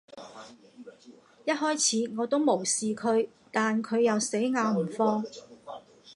一開始，我都無視佢，但佢又死咬唔放